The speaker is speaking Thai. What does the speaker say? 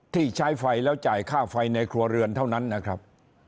ที่ใช้ไฟแล้วจ่ายค่าไฟในครัวเรือนเท่านั้นนะครับ